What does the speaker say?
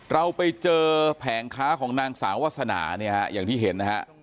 เราไปเจอแผงค้าของนางสาววาสนาเนี่ยฮะอย่างที่เห็นนะฮะ